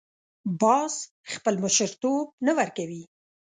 باز خپل مشرتوب نه ورکوي